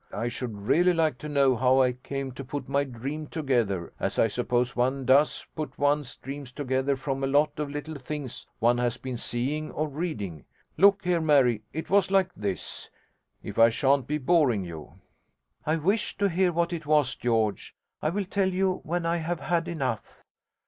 I should really like to know how I came to put my dream together as I suppose one does put one's dreams together from a lot of little things one has been seeing or reading. Look here, Mary, it was like this if I shan't be boring you ' 'I wish to hear what it was, George. I will tell you when I have had enough.'